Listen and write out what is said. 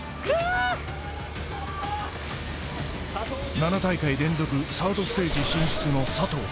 ７大会連続サードステージ進出の佐藤。